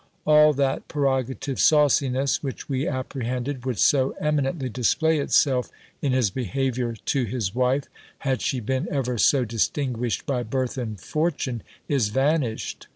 All that prerogative sauciness, which we apprehended would so eminently display itself in his behaviour to his wife, had she been ever so distinguished by birth and fortune, is vanished.